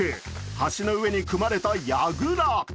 橋の上に組まれたやぐら。